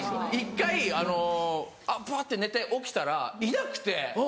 １回フワって寝て起きたらいなくて。